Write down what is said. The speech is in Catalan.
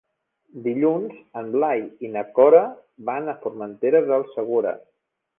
Dilluns en Blai i na Cora van a Formentera del Segura.